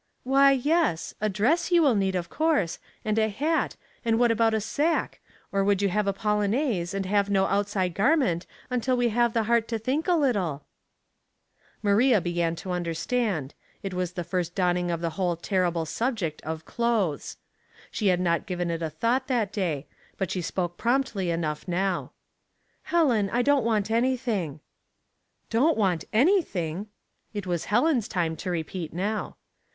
" Why, yes. A dress you will need, of course, and a hat, and what about a sack, or would you have a polonaise, and have no outside garment, until we have the heart to think a little ?" Maria began to understand. It was the first dawning of the whole terrible subject of " clothes." She had not given it a thought that day, but she spoke promptly enough now. " Helen, I don't want anything.'* " Don't want anything !" It was Helen's time to repeat now.